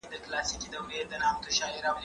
زه موسيقي اورېدلې ده!.